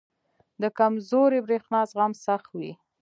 • د کمزوري برېښنا زغم سخت وي.